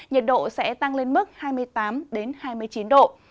nhiệt độ sẽ tăng lên mức hai mươi tám hai mươi chín độ